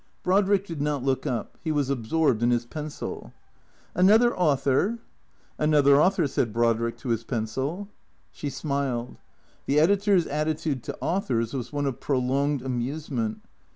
Brodrick did not look up. He was absorbed in his pencil. " Another author ?"" Another author," said Brodrick to his pencil. She smiled. The editor's attitude to authors was one of prolonged amusement.